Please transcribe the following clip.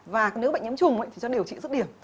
và nếu bệnh nhấm trùng thì cho điều trị sức điểm